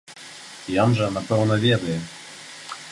Ён жа, напэўна, ведае.